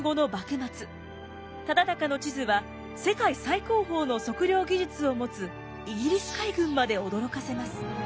忠敬の地図は世界最高峰の測量技術を持つイギリス海軍まで驚かせます。